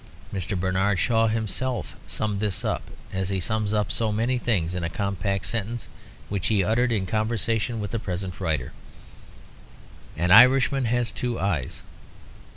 Mr. Bernard Shaw himself summed this up as he sums up so many things in a compact sentence which he uttered in conversation with the present writer, "An Irishman has two eyes."